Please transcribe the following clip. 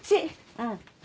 うん。